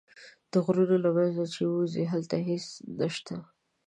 د غرونو له منځه چې ووځې هلته هېڅ نه شته.